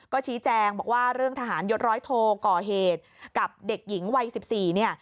ก็ชี้แจงบอกว่าเรื่องทหารยศร้อยโทก่อเหตุกับเด็กหญิงวัย๑๔เนี่ย